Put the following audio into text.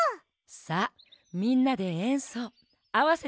さあみんなでえんそうあわせてみようか？